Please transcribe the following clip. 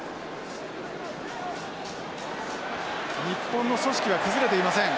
日本の組織は崩れていません。